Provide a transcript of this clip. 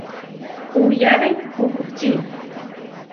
Puyáre kukučí.